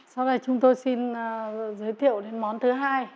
sau đây chúng tôi xin giới thiệu đến món thứ hai